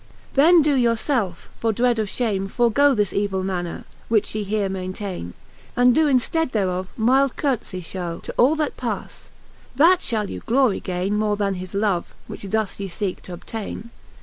Then doe yourfelfe, from dread of fliame, forgoe This evill manner, which ye here maintaine, And doe in ftead thereof mild ourt'fie fhowe To all, that pafle. That fhall you glory gaine More then his love, which thus ye feeke t'obtaine.